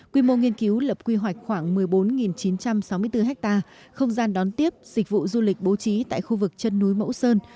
quy mô nghiên cứu lập quy hoạch khoảng một mươi bốn chín trăm sáu mươi bốn ha không gian đón tiếp dịch vụ du lịch bố trí tại khu vực chân núi mẫu sơn